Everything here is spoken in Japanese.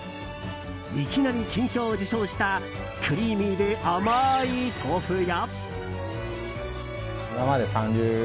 いきなり金賞を受賞したクリーミーで甘い豆腐や。